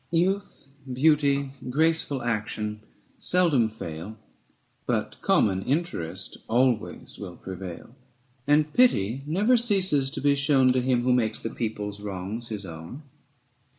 Youth, beauty, graceful action seldom fail, But common interest always will prevail; And pity never ceases to be shown 725 To him who makes the people's wrongs his own.